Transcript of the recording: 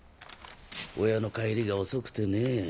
親の帰りが遅くてねぇ。